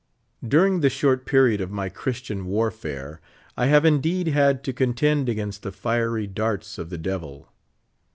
During the short period of m}' Christian warfare, I liave indeed had to contend against the fier}^ darts of the devil.